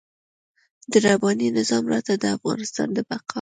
د رباني نظام راته د افغانستان د بقا.